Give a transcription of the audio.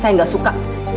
saya tidak suka